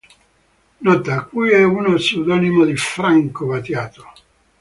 Nota: Kui è uno pseudonimo di Franco Battiato